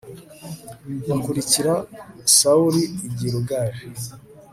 bakurikira sawuli i giligali